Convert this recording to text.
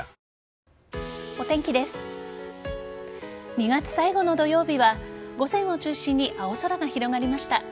２月最後の土曜日は午前を中心に青空が広がりました。